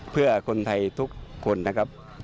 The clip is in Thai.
เพื่อคนไทยทุกคนนะครับ